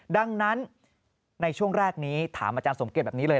ดังนั้นในช่วงแรกนี้ถามอาจารย์สมเกียจแบบนี้เลย